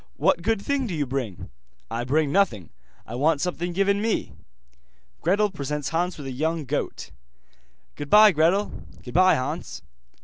What good thing do you bring?' 'I bring nothing, I want something given me.' Gretel presents Hans with a young goat. 'Goodbye, Gretel.' 'Goodbye, Hans.